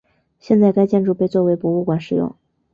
现在该建筑被作为博物馆使用。